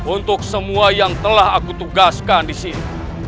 untuk semua yang telah aku tugaskan disini